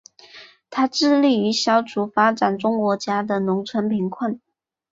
它致力于消除发展中国家的农村贫困。